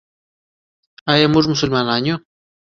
آیا موږ مسلمانان یو؟